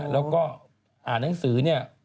แล้วก็อ่านหนังสือ